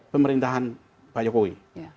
pemerintahan pak jokowi